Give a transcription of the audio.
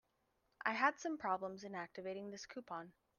I had some problems in activating this coupon.